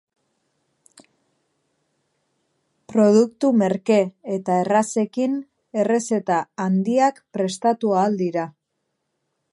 Produktu merke eta errazekin errezeta handiak prestatu ahal dira.